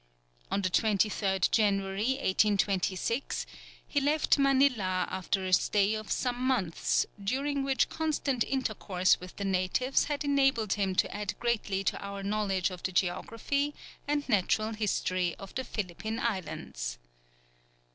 On the 23rd January, 1826, he left Manilla after a stay of some months, during which constant intercourse with the natives had enabled him to add greatly to our knowledge of the geography and natural history of the Philippine islands.